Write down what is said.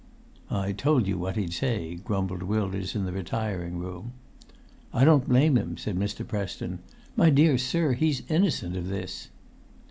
"I told you what he'd say," grumbled Wilders in the retiring room. [Pg 161]"I don't blame him," said Mr. Preston. "My dear sir, he's innocent of this!"